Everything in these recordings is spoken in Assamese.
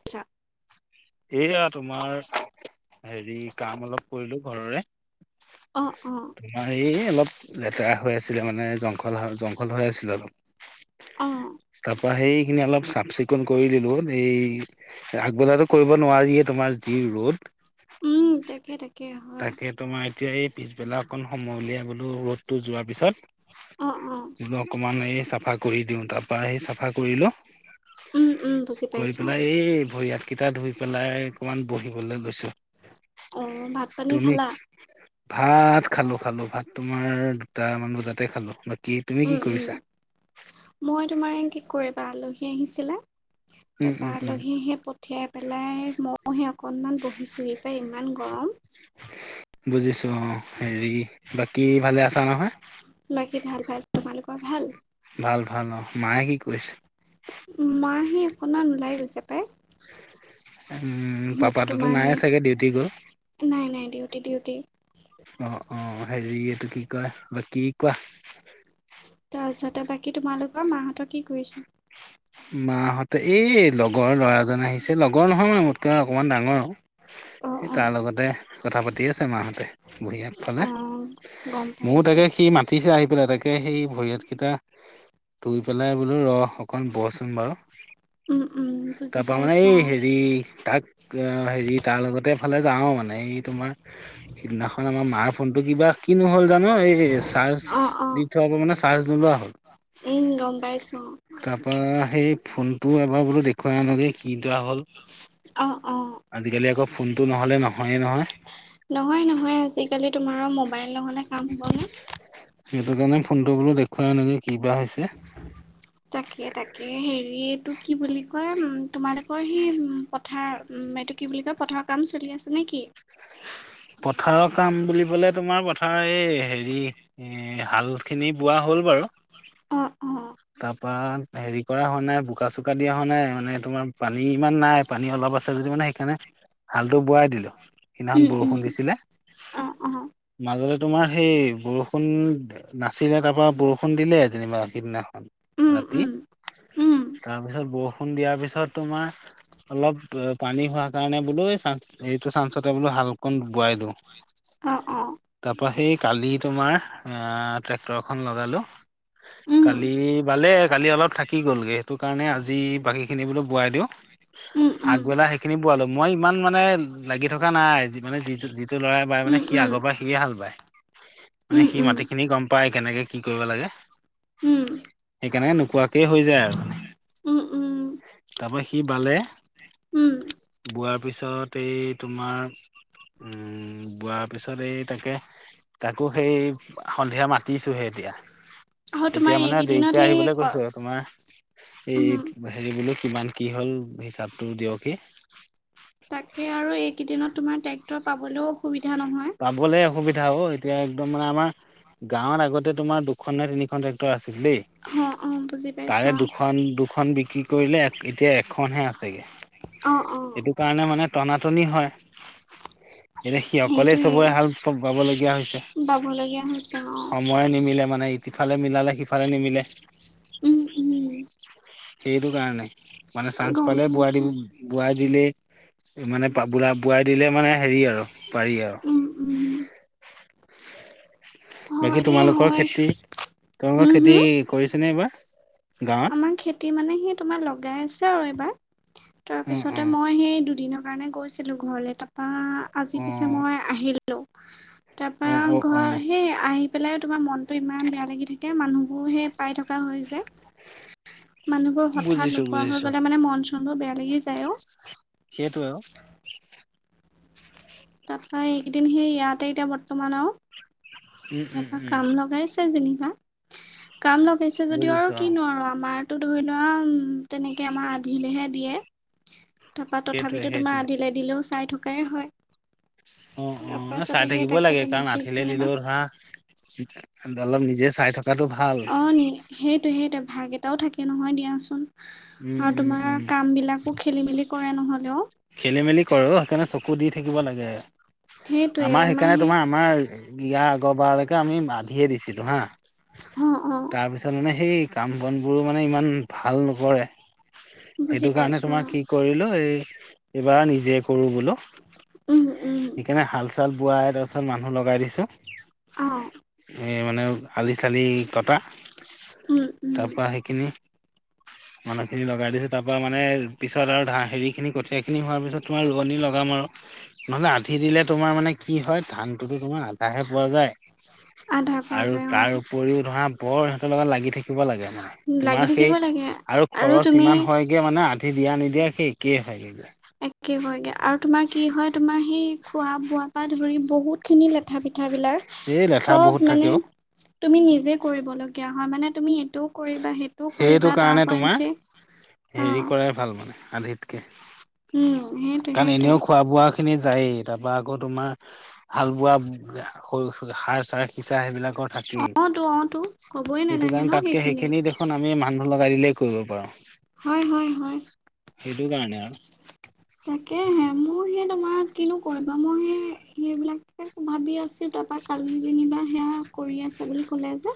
আচ্ছা। এয়া তোমাৰ হেৰি কাম অলপ কৰিলো ঘৰৰে। অ', অ', আমাৰ এই অলপ লেতেৰা হৈ আছিলে মানে, জংঘল-জংঘল হৈ আছিলে অলপ। অ', তাপা সেইখিনি অলপ চাফ চিকুণ কৰি দিলো, এই আগবেলাতো কৰিব নোৱাৰিয়ে তোমাৰ যি ৰ'দ। উম, তাকে-তাকে। তাকে, তোমাৰ এতিয়া এই পিছবেলা অকণ সময় উলিয়াই বোলো ৰ'দটো যোৱাৰ অ', অ', পিছত অকমান এই চাফা কৰি দিওঁ। তাৰ পৰা সেই চাফা কৰি লও। উম, উম, বুজি কৰি পাইছোঁ পেলাই, এই ভৰি হাত কেইটা ধুই পেলাই অকমান বহিবলৈ গৈছো। অ', অ', ভাত পানী তুমি? খালা? ভাত খালো-খালো ভাত তোমাৰ দুটা মান বজাতে খালো বাকী তুমি কি উম, উম, কৰিছা? মই, তোমাৰ কি কৰিবা আলহী আহিছিলে উম, উম, তাৰপৰা উম, আলহী আহি পঠিয়াই পেলাই ময়হে অকণমান বহিছোঁসি ইমান গৰম। বুজিছো অ' হেৰি বাকী ভালে আছা নহয়? বাকী ভাল ভাল, তোমালোকৰ ভাল? ভাল ভাল অ' মায়ে কি কৰিছে? মাহে অকনমান ওলাই গৈছে পাই। উম, পাপাটোতো তোমাৰ নাই সেই চাগে ডিউটি গ'ল? নাই নাই ডিউটি-ডিউটি। অ', অ' হেৰি এইটো কি কয় বাকি কি কয়? তাৰপিছতে বাকী তোমালোকৰ মাহঁতে কি কৰিছে? মাহঁতে, এই লগৰ ল'ৰাজন আহিছে লগৰ নহয় মানে, মোতকৈ অকমান ডাঙৰ আৰু। অ', স অ', তাৰ লগতে কথা পাতি আছে মাহঁতে বহি আগফালে। অ'। গম ময়ো পাইছো। তাকে সি মাতিছে আহি পেলাই, তাকে সেই ভৰিয়তকেইটা ধুই পেলাই বোলো ৰস অকন বচ শন বাৰু উম, উম, বুজি তাৰপা মানে পাইছোঁ এই অ'। হেৰি ধাক এ হেৰি তাৰ লগতেফালে যাওঁ মানে এই তোমাৰ। সিদিনাখন আমাৰ মাৰ ফোনতটো কিবা কিনো হ'ল জানো এই চাৰ্জ অ', অ', দি থোৱা পৰা মানে চাৰ্জ নোলোৱা হ'ল। উম, গম পাইছোঁ। তাৰপা সেই ফোনটো এবাৰ বোলো দেখুৱাই আনোগে কি বেয়া হল? অ', অ'। আজিকালি আকৌ ফোনটো নহ'লে নহয়ে নহয়। নহয় নহয়, আজিকালি তোমাৰ মোবাইল নহলে কাম হ'বনে? সেইটো কাৰণে ফোনটো বোলো দেখুৱাই আনোগে কিবা হৈছে? তাকে-তাকে হেৰি এইটো কি বুলি কয় উম, তোমালোকৰ সি উ পথাৰ এইটো কি বুলি কয় পথাৰৰ কাম চলি আছে নে কি? পথাৰৰ কাম বুলিবলে তোমাৰ পথাৰৰ এই হেৰি এ হাল খিনি বোৱা হ'ল বাৰু অ', অ', তাৰ পাত হেৰি কৰা হোৱা নাই বোকা চোকা দিয়া হোৱা নাই। মানে তোমাৰ পানী ইমান নাই পানী অলপ আছে যদি মানে সেইকাৰণে হালটো বোৱাই দিলো। সেইদিনাখন উম, বৰষু উম, দিলে অ', অ', মাজলে তোমাৰ সেই বৰষুণ নাচিলে তাৰ পৰা বৰষুণ দিলে যেনিবা সেইদিনা উম, ৰাতি উম, উম, তাৰপিছত বৰষুণ দিয়াৰ পিছত তোমাৰ অলপ পানী হোৱা কাৰণে বোলো এইটো চানসতে বোলো হালকণ বোৱাই দিওঁ। অ', অ'। তাৰপা সেই কালি তোমাৰ ট্ৰেক্টৰখন লগালোঁ, উম, কালি ভালে কালি অলপ থাকি গ'লগে, সেইটো কাৰণে আজি বাকী খিনি বোলো বোৱাই দিও। উম, উম, আগবেলা সেইখিনি বোৱালো। মই ইমান মানে লাগি থকা নাই। মানে যিটো যিটো ল'ৰাই বায় মানে উম, সি উম, আগৰ পৰাই সিয়ে হাল বায়। মানে উম, সি উম, মাটি খিনি গম পায় কেনেকে কি কৰিব লাগে। উম, সেইকাৰণকে নোকোৱাকেই হৈ যায় আৰু মানে। উম, উম, তাৰপৰা সি বালে উম, বোৱাৰ পিছত এই তোমাৰ উম, বোৱাৰ পিছত এই তাকে তাকো হেই সন্ধিয়া মাতিছোহে এতিয়া। আৰু তোমাৰ এতিয়া মানে এইকেইদিনত দেৰিকৈ সেই আহিবলৈ ক কৈছো আৰু তোমাৰ এই উম, হেৰি বোলো কিমান কি হ'ল হিচাপটো দিয়কে তাকে আৰু এইকেইদিনত তোমাৰ ট্ৰেক্টৰ পাবলৈও অসুবিধা নহয়? পাবলৈ অসুবিধা হ' এতিয়া একদম মানে আমাৰ গাঁৱত আগতে তোমাৰ দুখন নে তিনিখন ট্ৰেকটৰ আছিল দেই। অ অ বুজি পাইছো তাৰে দুখন দুখন বিক্ৰী কৰিলে এতিয়া এখনহে আছেগে। অ', অ'। এইটো কাৰণে মানে টনাটনি হয়। কলে সেইটোৱে চবৰে হাল বাবলীয়া হৈছে। পাবলগীয়া হৈছে অ খং ময়ে নিমিলে মানে ইফালে মিলালে সিফালে নিমিলে। উম উম সেইটো কাৰণে মানে চানজ গম পালে বোৱাৰ দি পাইছো বোৱাই দিলেই মানে বলা বোৱাই দিলে মানে হেৰি আৰু পাৰি আৰু। উম উম বাকী হয় দেই তোমালোকৰ হয় খেতি, তোমলালোকৰ হুম খেতি হুম কৰিছেনে এইবাৰ গাঁৱত? আমাৰ খেতি মানে সি তোমাৰ লগাই আছে আৰু এইবাৰ অ তাৰপিছতে মই সেই দুদিন কাৰণে গৈছিলো ঘৰলে তাৰপা আজি অ পিছে মই আহিলো। তাৰপা অ অ অ অ ঘৰ সে আহি পেলাইও তোমাৰ মনতটো ইমান বেয়া লাগি থাকে মানুহবোৰ সে পাই থকা হৈ যায়। মানুহবোৰ হঠাৎ বুজিছো নোপোৱা হৈ বুজিছো গ'লে মানে মন চনবোৰ বেয়া লাগি যায় অ'। সেইটোৱে আৰু। তাৰপা এইকেইদিন সেই ইয়াতে এতিয়া বৰ্তমান আৰু। উম উম তাৰপা উম কাম লগাইছে যেনিবা, কাম লগাইছে যদিও আৰু বুজিছো অ কিনো আৰু আমাৰ। টো ধৰি লোৱা উম, তেনেকে আমাৰ আধিলেহে দিয়ে। তাপা সেইটোৱে তথাপিতো তোমাৰ সেইটোৱে আধিলে দিলেও চাই থকাই হয় অ তাৰ অ চাই পাছতে সেই থাকিবই তাকে লাগে কাৰণ তেনেকে আধিলে যেনিবা দিলেও ধৰা অলপ নিজে চাই থাকো অ নি সেইটো সেইটো ভাগ এটাও থাকে নহয় দিয়াচোন উম আৰু উম তোমাৰ উম কাম বিলাকো খেলি মেলি কৰে নহলে অ খেলি মেলি কৰে অ সেইকাৰণে চকু দি থাকিব লাগে সেইটোৱে আমাৰ সেইকাৰণে সেই তোমাৰ আমাৰ ইয়াৰ আগৰবাৰলৈকে আমি আধিয়ে দিছিলোঁ হা অ অ তাৰছত মানে সেই কাম বন বোৰো মানে ইমান ভাল নকৰে সেইটো বুজি কাৰণে পাইছো তোমাৰ অ কি কৰিলো এই এইবাৰ নিজে কৰো বোলো উম উম সেইকাৰণে হাল চাল বোৱাই তাৰপিছত মানুহ লগাই দিছো অ এই মানে আলি চালি কটা উম উম তাৰ পৰা সেইখিনি মানুহ খিনি লগাই দিছো তাৰ পৰা মানে পিছত আৰু ধা হেৰি খিনি কৰি সেইখিনি হোৱাৰ পিছত তোমাৰ ৰোৱনি লগাম আৰু নহ'লে আধি দিলে তোমাৰ মানে কি হয় ধানটোতো তোমাৰ আধাহে পোৱা যায় আধা পোৱা আৰু যায় অ তাৰ উপৰিও ধৰা বৰ সিহঁতৰ লগত লাগি থাকিব লাগে মানে লাগি তোমাৰ থাকিব সেই লাগে আৰু খৰচ ইমান হয়গে মানে আধি দিয়া নিদিয়া সেই একেই হয়গে একে হয়গে আৰু তোমাৰ কি হয় তোমাৰ সেই খোৱা বোৱা পৰা ধৰি বহুতখিনি লেঠা পেঠাবিলাক এই লেঠা বহুত চব থাকে মানে অ তুমি নিজে কৰিবলগীয়া হয় মানে তুমি এইটোও কৰিবা সেই সেইটো কাৰণে তোমাৰ অ হেৰি কৰাই ভাল মানে আধিত উম সেইটোৱে কাৰণ সেইটোৱে এনেও খোৱা-বোৱা খিনি যায়, তাৰপা আকৌ তোমাৰ হাল বোৱা সাৰ-চাৰ সিচা সেইবিলাকৰ থাকেই, অ তো অ তো কবই সেইটো নালাগে কাৰণে ন তাতকে সেইখিনি দেখ আমি মানুহ লগাই দিলেই কৰিব পাৰোঁ। হয় হয় হয়। এইটো কাৰণে আৰু। তাকেহে মোৰ সেই তোমাৰ কিনো কৰিবা মই সেই সেইবিলাকে ভাবি আছো তাৰপা কালি যেনিবা সেয়া কৰি আছে বুলি ক'লে যে,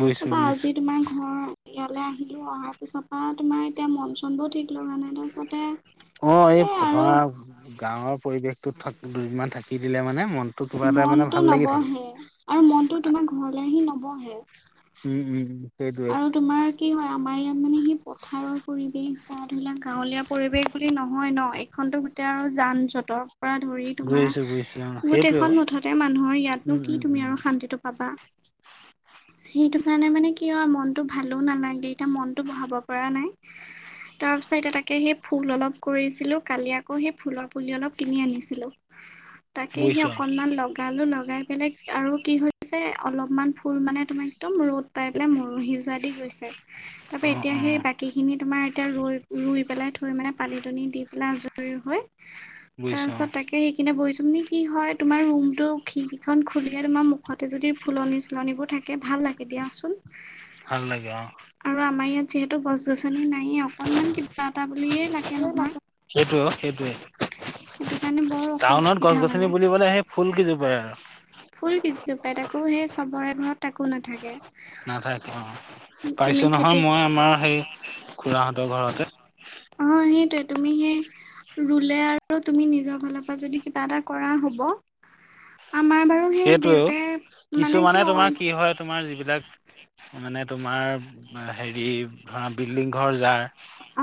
বুজিছো তাৰপা বুজিছো আজি তোমাৰ ঘৰ ইয়ালে আহিলোঁ অহাৰ পিছৰ পৰা তোমাৰ এতিয়া মন-চনটো ঠিক লগা নাই। তাৰপিছতে অ এই এ ধৰা আৰু গাঁৱৰ পৰিৱেশটো থা দুদিনমান থাকি দিলে মানে মন মনটো নবহে আৰু মনটো তোমাৰ ঘৰলে আহি নবহে। উম উম উম। সেইটোয়ে আৰু তোমাৰ কি হয় আমাৰ ইয়াত মানে সেই পথাৰৰ পৰিৱেশ বা ধৰি লওক গাঁৱলীয়া পৰিৱেশ বুলি নহয় ন এখনতো গোটেই আৰু যান জঁটৰ পৰা ধৰি বুজিছো তোমাৰ বুজিছো অ সেইটোয়ে অ গোটেইখন মুঠতে মানুহৰ ইয়াতনো উম কি উম তুমি উম আৰু শান্তিটো পাবা। সেইটো কাৰণে মানে কি কি হয় মনটো ভালো নালাগে, এতিয়া মনটো বহাব পৰা নাই। তাৰ পিছত এতিয়া তাকে সেই ফুল অলপ কৰিছিলো। কালি আকৌ সেই ফুলৰ পুলি অলপ কিনি আনিছিলো। তাকে সেই বুজিছো অ অকনমান লগ গালো লগাই পেলাই আৰু কি হৈছে অলপমান ফুল মানে তোমাৰ একদম ৰ'দ পাই পেলাই মৰহি যোৱা দি গৈছে। তাৰপা অ এতিয়া অ সেই বাকী খিনি তোমাৰ এতিয়া ৰুই পেলাই থৈ মানে পানী তনি দি পেলাই আজৰি হৈ বুজিছো অ তাৰপিছত তাকে [unintelligible] কি হয় তোমাৰ ৰুমটো খিৰিকীখন খুলিয়েই তোমাৰ মুখতে যদি ফুলনি-চুলনিবোৰ থাকে ভাল লাগে দিয়াচোন। ভাল লাগে অ। আৰু আমাৰ ইয়াত যিহেতু গছ-গছনি নায়েই, অকনমান কিবা এটা বুলিয়েই লাগে নহয়। অ সেইটোৱে। সেইটো কাৰণে বৰ টাউনত অসুবিধা গছ-গছনি মানে বুলিবলে সেই ফুল কইজোপাই আৰু। ফুল কেইজোপায়, তাকো সেই চবৰে এ ঘৰত তাকো নাথাকে। নাথাকে অ তুমি পাইছো নহয় খেতি মই আমাৰ সেই খুৰাাহঁতৰ ঘৰতে। অ সেইটোৱে তুমি সেই ৰুলে আৰু তুমি নিজৰ ফালৰ পৰা যদি কিবা এটা কৰা হ'ব। আমাৰ বাৰু সেই সেইটৱে ও দেউতাই মানে কিছুমানে অ তোমাৰ কি হয় তোমাৰ যিবিলাক মানে তোমাৰ হেৰি ধৰা বিল্ডিং ঘৰ যাৰ,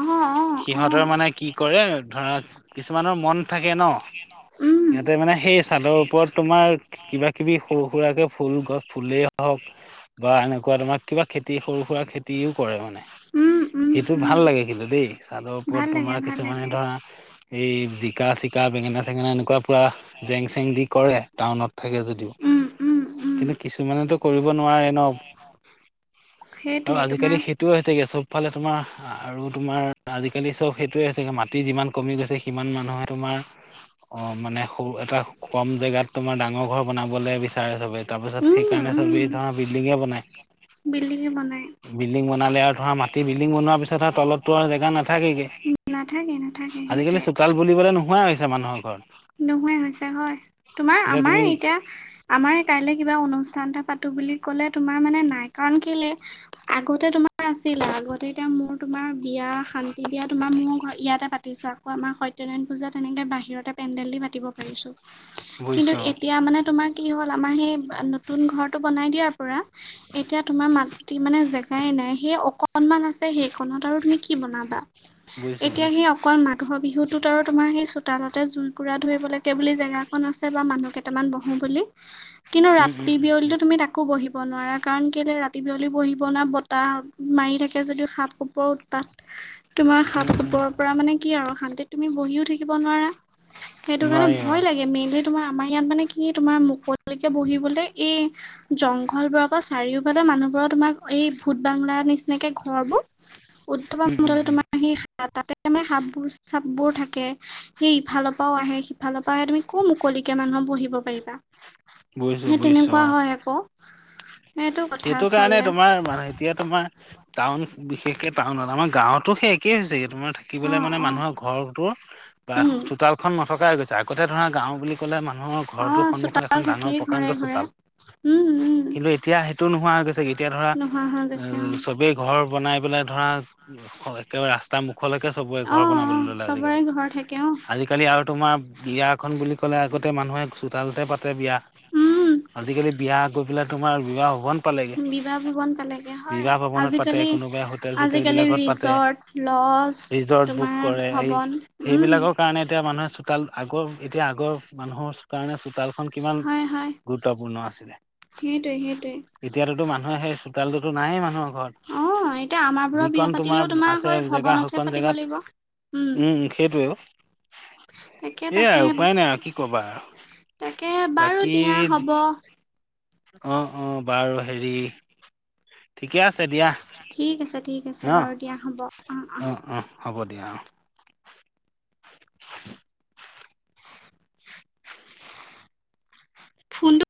অ অ অ সিহঁতৰ মানে কি কৰে ধৰা কিছুমানৰ মন থাকে ন। উম মানে সেই ছাদৰ ওপৰত তোমাৰ কিবা কিবি সৰু-সুৰাকে ফুল গছ ফুলেই হওক বা এনেকুৱা তোমাৰ কিবা খেতি সৰু-সুৰা খেতিও কৰে মানে। উম উম সেইটো উম ভাল লাগে কিন্তু দেই চাদৰ ওপৰত ভাল লাগে তোমাৰ ভাল কিছুমানে লাগে ধৰা এই জিকা-চিকা, বেঙেনা-চেঙেনা এনেকুৱা পূৰা জেং-চেং দি কৰে টাউনত। থাকে যদিও। উম উম উম কিন্তু কিছুমানেতো কৰিব নোৱাৰে ন। আৰু সেইটোৱে আজিকালি তোমাৰ সেইটো হৈছেগে চব ইফালে তোমাৰ আৰু তোমাৰ আজিকালি চব সেইটোৱে হৈছেগে মাটি যিমান কমি গৈছে সিমান মানুহে তোমাৰ অ মানে স এটা কম জেগাত তোমাৰ ডাঙৰ ঘৰ বনাবলৈ বিচাৰে চবেই তাৰপিছত উম সেইকাৰণে উম চবেই ধৰৰাৰ বিল্ডিঙে বনায়। বিল্ডিঙে বনায়। বিল্ডিং বনালে আৰু ধৰা মাটি বিল্ডিং বনোৱাৰ পিছত আৰু তলতো আৰু জেগা নাথাকেগে। নাথাকে নাথাকে আজিকালি সেইটোৱে। চোতাল বুলিবলে নোহোৱা হৈছে মানুহৰ ঘৰত নোহহোৱাই হৈছে হয়। তোমাৰ এতিয়া আমাৰ তুমি এতিয়া আমাৰ কাইলে কিবা অনুষ্ঠান এটা পাতো বুলি ক'লে তোমাৰ মানে নাই কাৰণ কিলৈ আগতে তোমাৰ আছিলা আগতে এতিয়া মোৰ তোমাৰ বিয়া শান্তি বিয়া তোমাৰ মোৰ অ, ইয়াতে পাতিছোঁ আকৌ আমাৰ সত্যনাৰায়ণ পূজা তেনেকৈ বাহিৰতে পেণ্ডেল দি পাতিব পাৰিছোঁ। কিন্তু বুজিছো অ এতিয়া মানে তোমাৰ কি হ'ল আমাৰ সেই নতুন ঘৰটো বনাই দিয়াৰ পৰা, এতিয়া তোমাৰ মাটি মানে জেগাই নাই সেই অকনমান আছে সেইখনত আৰু তুমি কি বনাবা। বুজিছো এতিয়া বুজিছো সেই অক অকল মাঘৰ বিহুতটোত আৰু তোমাৰ সেই চোতালতে জুইকুৰা ধৰিবলৈাগে বুলি জেগাখনন আছে বা মানুহকে কেইটামান বহো বুলি কিন্তু উম উম ৰাতি উম বিয়লি তুমি তাক আো বহিব নোৱাৰা কাৰণ কেলৈ ৰাতি বিয়লি বহিব ন বতাহ মাৰি থাকে যদিও সাপ কপোৰৰ উৎপাত। তোমাৰ উম সাপ উম উম কপৰৰ পৰা মানে কি আৰু শান্তিত তুমি বহিও থাকিব নোৱাৰা, সেইটো কাৰণে নোৱাৰি অ ভয় লাগে মেইনল তোমাৰ আমাৰ ইয়াত মানে কি তোমাৰ মুকলিলকে বহিবলৈ এই জংঘল বোৰ আকৌ চাৰিওফালে মানুহবোৰৰ তোমাৰ এই ভূত বাংলা নিচিনাকে ঘৰবোৰ, [inaudible] উম উম উম তোমাৰ সেই তাতে মানে সাপবোৰ চাপবোৰ থাকে। সেই ইফালৰ পৰাও আহে সিফালৰ পৰা আহে তুমি ক মুকলিকে মানুহৰ বহিব পাৰিবা। বুজিছো সেই বুজিছো তেনেকুৱা অ হয় আকৌ। কথা সেইটো কাৰণে আচলতে তোমাৰ এতিয়া তোমাৰ টাউন বিশেষকে টাউনত আমাৰ গাঁৱত তো সেই একেই হৈছে তোমাৰ অ থাকিবলৈ মানে অ মানুহৰ ঘৰটোৰ, বা উম চোতালখন নথকাই গৈছে আগতে ধৰা গাও বুলি ক'লে মানুহৰ অ ঘৰটোৰ সন্মুখত চোতাল এখন ডাঙৰ থাকেই প্ৰকাান্ত ঘৰে ঘৰে চোতাল। উম উম কিন্তু এতিয়া নোহোৱা হৈ গৈছে। এতিয়া ধৰা নোহোৱা হৈ অ, গৈছে চবেই ঘৰ বনাই পেলাই ধৰা একেবাৰে ৰাস্তা মুখ খলৈকে চবে অ ঘৰ অ বনাবলৈ ল'লে চবৰে আজিকালি ঘৰ থাকে অ আজিকালি আৰু তোমাৰ বিয়াখনন বুলি ক'লে আগতে মানুহে চোতালতে পাতে বিয়া। উম আজিকালি বিয়া গৈ পেলাই তোমাৰ বিবাহ ভবন পালেগে বিবাহ ভৱন পালেগে হয় বিবাহ ভৱনত পাতে আজিকালি কোনোবাই হোটেল চোটেল আজিকালি বিলাকত পাতে। ৰিজৰ্ট লজ ৰিজৰ্ট বুক তোমাৰ কৰে এই ভৱন উম সেইবিলাকৰ কাৰণে এতিয়া মানুহে চোতাল আগৰ এতিয়া আগৰ মানুহৰ কাৰণে চোতালখন কিমান হয় হয় গুৰুত্বপূৰ্ণ আছিলে, সেইটোৱে সেইটোৱে। এতিয়াতো মুহে সেই চোতালটোতো নাইেই মানুহৰ অ', এতিয়া ঘৰত। আমাৰবোৰৰ বিয়া যিকণ পাতিলেও তোমাৰ আছে হয় জেগা ভৱনতহে সেইকন পাতিব জেগাত, লাগিব। উম, সেইটোৱে, তাকে এইয়া তাকে উপায় নাই আৰু কি কবা আৰু। তাকে বাৰু বাকী দিয়া হ'ব। অ, অ, বাৰু হেৰি ঠিকে আছে দিয়া ঠিক আছে ঠিক আছে ন বাৰু দিয়া হ'ব। অ, অ, হ'ব দিয়া অ, [inaudible] ফোনটো